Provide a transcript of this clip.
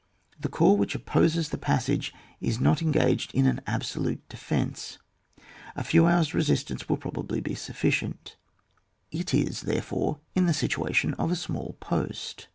The corps which opposes the passage is not en gaged in an o^o^u^ defence, a few hours' resistance will probably be sufficient ; it is, therefore, in the situation of a small post.